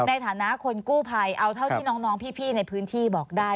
ในฐานะคนกู้ภัยเอาเท่าที่น้องพี่ในพื้นที่บอกได้